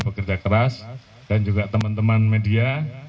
bekerja keras dan juga teman teman media